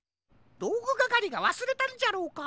どうぐがかりがわすれたんじゃろうか？